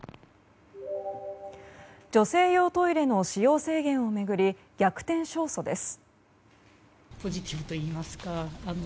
女性用トイレの使用制限を巡り逆転勝訴です。